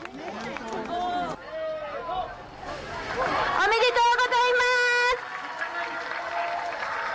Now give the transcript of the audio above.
おめでとうございます！